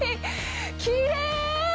きれい。